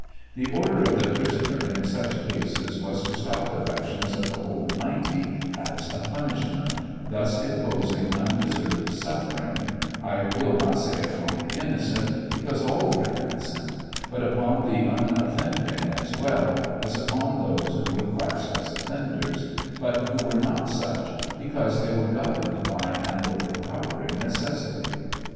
The order of the prisoner in such cases was to stop the rations of the whole 90 as a punishment, thus imposing undeserved suffering, I will not say upon the innocent, because all were innocent, but upon the unoffending as well as upon those who were classed as offenders, but who were not such, because they were governed by an overpowering necessity.